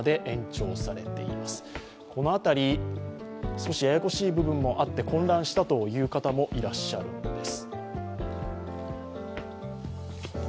少しややこしい部分もあって混乱したという方もいらっしゃるようです。